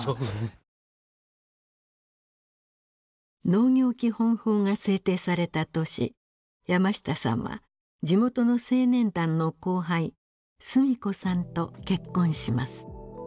農業基本法が制定された年山下さんは地元の青年団の後輩須美子さんと結婚します。